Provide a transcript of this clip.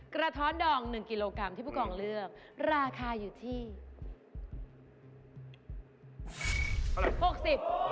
กระท้อนดอง๑กิโลกรัมที่ผู้กองเลือกราคาอยู่ที่